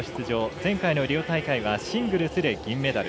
前回のリオ大会はシングルスで金メダル。